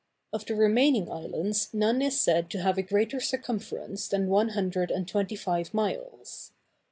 Of the remaining islands none is said to have a greater circumference than one hundred and twenty five miles.